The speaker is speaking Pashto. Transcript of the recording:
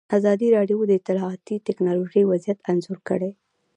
ازادي راډیو د اطلاعاتی تکنالوژي وضعیت انځور کړی.